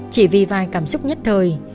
chỉ vì vài cảm xúc nhất thời